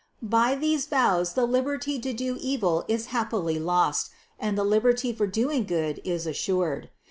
445. By these vows the liberty to do evil is happily lost, and the liberty for doing good is assured.